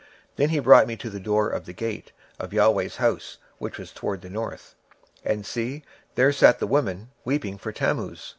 26:008:014 Then he brought me to the door of the gate of the LORD's house which was toward the north; and, behold, there sat women weeping for Tammuz.